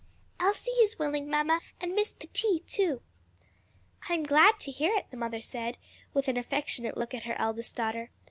"Elsie is willing, mamma, and Miss Pettit too." "I am glad to hear it," the mother said, with an affectionate look at her eldest daughter.